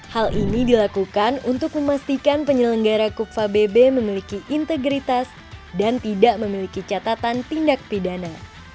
hal ini dilakukan untuk memastikan penyelenggara kufa bb memiliki integritas dan tidak memiliki catatan tindak pidana